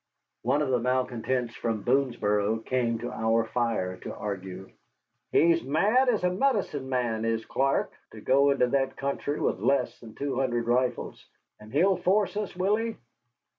One of the malcontents from Boonesboro came to our fire to argue. "He's mad as a medicine man, is Clark, to go into that country with less than two hundred rifles. And he'll force us, will he?